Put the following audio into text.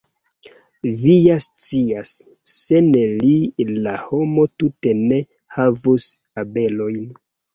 Vi ja scias, sen li la homo tute ne havus abelojn.